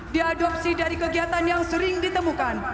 diadopsi dari kegiatan yang sering ditemukan